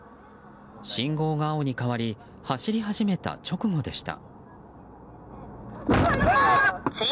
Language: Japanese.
信号が青に変わり走り始めた直後でした。